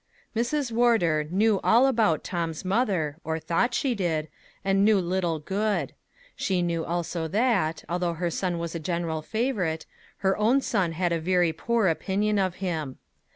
Mrs. Wardour knew all about Tom's mother, or thought she did, and knew little good; she knew also that, although her son was a general favorite, her own son had a very poor opinion of him.